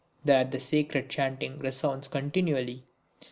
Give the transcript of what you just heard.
There the sacred chanting resounds continually.